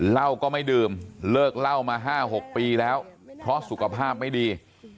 เหล้าก็ไม่ดื่มเลิกเหล้ามา๕๖ปีแล้วเพราะสุขภาพไม่ดี